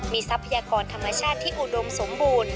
ทรัพยากรธรรมชาติที่อุดมสมบูรณ์